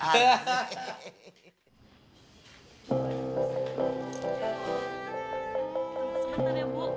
sebentar ya bu